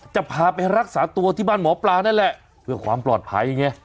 จะพาไปรักษาตัวที่บ้านหมอปลานั่นแหละเพื่อความปลอดภัยไง